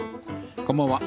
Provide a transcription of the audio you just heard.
こんばんは。